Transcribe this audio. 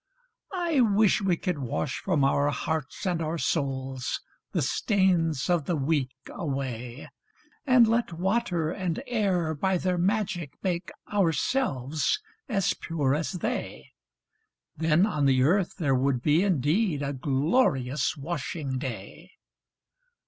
I wish we could wash from our hearts and our souls The stains of the week away, And let water and air by their magic make Ourselves as pure as they; Then on the earth there would be indeed A glorious washing day!